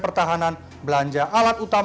petang yang kekurangan